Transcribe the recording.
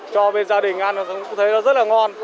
cho bên gia đình ăn cũng thấy nó rất là ngon